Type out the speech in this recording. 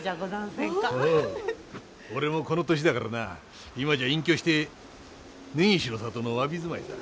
おお俺もこの年だからな今じゃ隠居して根岸の里の侘び住まいさ。